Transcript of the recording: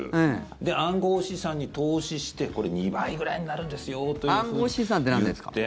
で、暗号資産に投資してこれ、２倍ぐらいになるんですよというふうに言って。